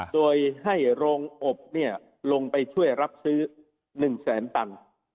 โดยให้โรงอบลงไปช่วยรับซื้อ๑แสนตัน